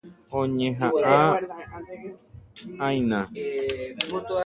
Añeha'ã'aína.